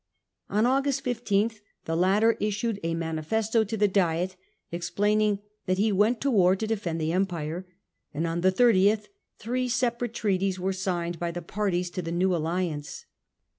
On August 15 the latter issued a manifesto to the Diet, explaining that he went to war to defend the Empire ; Treaties anc ^ on the 30th three separate treaties were between signed by the parties to the new alliance.